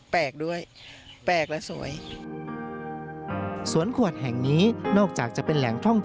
แปลกด้วยแปลกและสวย